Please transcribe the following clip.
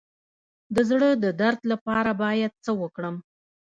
د زړه د درد لپاره باید څه وکړم؟